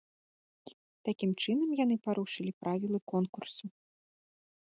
Такім чынам яны парушылі правілы конкурсу.